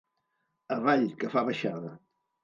Avall, que fa baixada!